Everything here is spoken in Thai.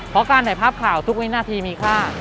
เพราะการถ่ายภาพข่าวทุกวินาทีมีค่า